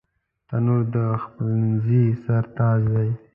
تنور د پخلنځي سر تاج دی